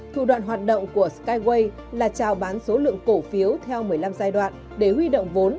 thủ đoạn hoạt động của skywe là trào bán số lượng cổ phiếu theo một mươi năm giai đoạn để huy động vốn